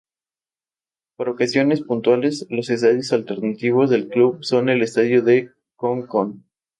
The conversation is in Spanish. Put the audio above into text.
Para ocasiones puntuales, los estadios alternativos del club son el Estadio de Con Con